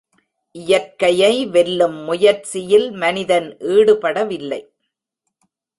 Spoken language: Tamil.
இயற்கையை வெல்லும் முயற்சியில் மனிதன் ஈடுபடவில்லை.